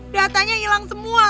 datanya hilang semua